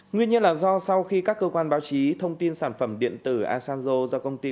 nguyên nhân là do sau khi các cơ quan báo chí thông tin sản phẩm điện tử asanzo do công ty